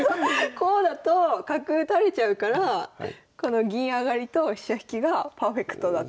こうだと角打たれちゃうからこの銀上がりと飛車引きがパーフェクトだと。